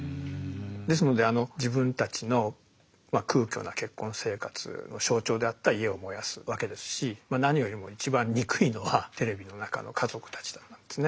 ですので自分たちの空虚な結婚生活の象徴であった家を燃やすわけですし何よりも一番憎いのはテレビの中の「家族」たちなんですね。